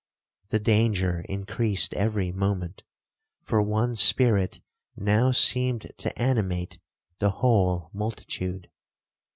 The danger increased every moment, for one spirit now seemed to animate the whole multitude.